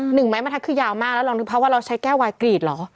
ไม้บรรทัดคือยาวมากแล้วลองนึกภาพว่าเราใช้แก้ววายกรีดเหรอ